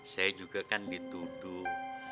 saya juga kan dituduh